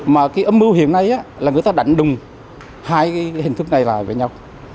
mà cái âm mưu hiện nay là người ta đánh đùng hai cái hình thức này lại với nhau